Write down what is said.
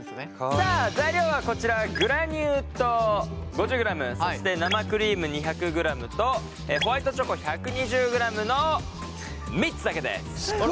さあ材料はこちらグラニュー糖５０ｇそして生クリーム２００ｇとホワイトチョコ１２０ｇの３つだけです。